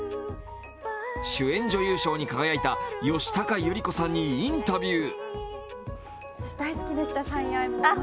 主演女優賞に輝いた吉高由里子さんにインタビュー。